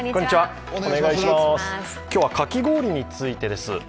今日はかき氷についてです。